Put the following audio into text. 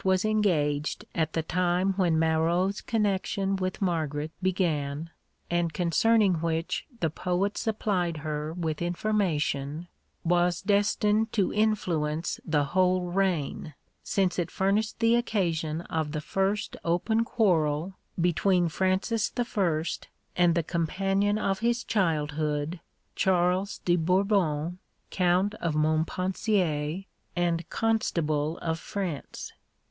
was engaged at the time when Marot's connection with Margaret began, and concerning which the poet supplied her with information, was destined to influence the whole reign, since it furnished the occasion of the first open quarrel between Francis I. and the companion of his childhood, Charles de Bourbon, Count of Montpensier, and Constable of France.